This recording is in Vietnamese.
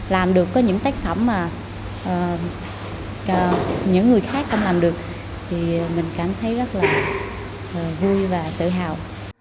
làm được có những tác phẩm mà những người khác không làm được thì mình cảm thấy rất là vui và tự hào